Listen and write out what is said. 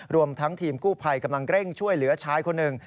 รวมทั้งทีมกู้ภัยกำลังเร่งช่วยเหลือชายคนหนึ่ง